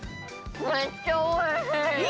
めっちゃおいしい！